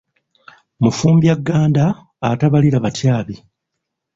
Mufumbyagganda atabalira batyabi.